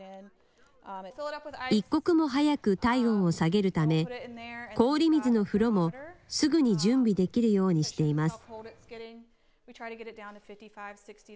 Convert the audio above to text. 一刻も早く体温を下げるため、氷水の風呂もすぐに準備できるようにしています。